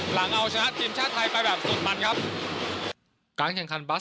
หลังเอาชนะทีมชาติไทยไปแบบสุดมันครับการแข่งขันบัส